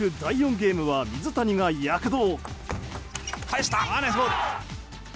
ゲームは水谷が躍動。